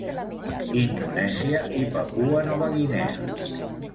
Indonèsia i Papua Nova Guinea.